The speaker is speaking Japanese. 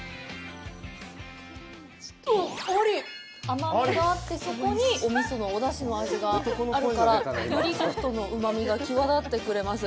甘みがあって、そこにお味噌のお出汁の味があるからよりソフトのうまみが際立ってくれます。